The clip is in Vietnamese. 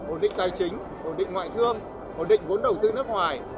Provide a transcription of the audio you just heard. ổn định tài chính ổn định ngoại thương ổn định vốn đầu tư nước ngoài